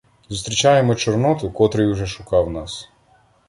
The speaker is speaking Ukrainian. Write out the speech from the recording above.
Зустрічаємо Чорноту, котрий уже шукав нас.